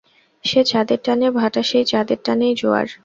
যে চাঁদের টানে ভাঁটা সেই চাঁদের টানেই জোয়ার।